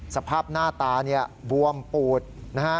สภาพหน้าตาเนี่ยบวมปูดนะฮะ